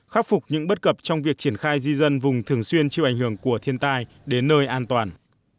khắc phục những bất cập trong việc triển khai di dân vùng thường xuyên chịu ảnh hưởng của thiên tai đến nơi an toàn